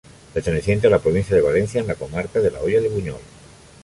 Perteneciente a la provincia de Valencia, en la comarca de la Hoya de Buñol.